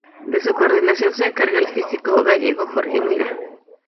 De su coordinación se encarga el físico gallego Jorge Mira.